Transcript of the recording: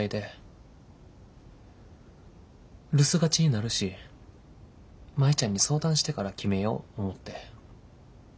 留守がちになるし舞ちゃんに相談してから決めよう思って。